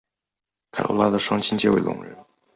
凯萝拉的双亲皆为聋人。